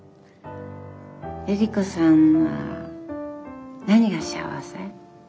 エリコさんは何が幸せ？